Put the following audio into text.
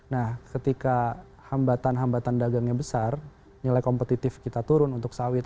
nah ketika hambatan hambatan dagangnya besar nilai kompetitif kita turun untuk sawit